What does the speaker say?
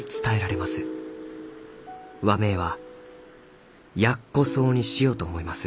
和名は『ヤッコソウ』にしようと思います」。